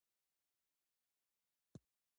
ایا تاسي په دې شبکه کې فعال یاست؟